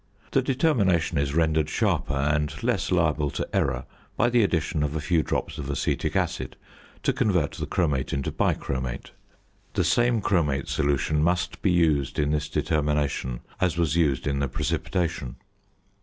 The determination is rendered sharper and less liable to error by the addition of a few drops of acetic acid to convert the chromate into bichromate. The same chromate solution must be used in this determination as was used in the precipitation.